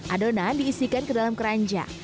adonan diisikan ke dalam keranjang